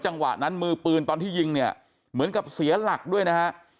จังหวะนั้นมือปืนตอนที่ยิงเนี่ยเหมือนกับเสียหลักด้วยนะฮะ